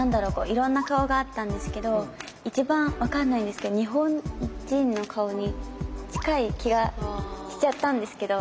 いろんな顔があったんですけど一番分かんないんですけど日本人の顔に近い気がしちゃったんですけど勘違いですかね？